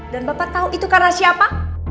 dan bapak tau itu karena siapa